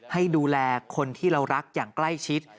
ให้ดูแลคนที่เรารักอย่างใกล้ชิด